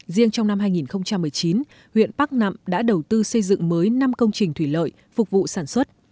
riêng trong năm hai nghìn một mươi chín huyện bắc nạm đã đầu tư xây dựng mới năm công trình thủy lợi phục vụ sản xuất